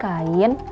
kalau mau beli kain